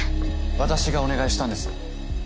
私がお願いしたんです。